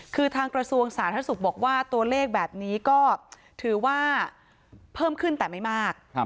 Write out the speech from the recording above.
คือทางกระทรวงสาธารณสุขบอกว่าตัวเลขแบบนี้ก็ถือว่าเพิ่มขึ้นแต่ไม่มาก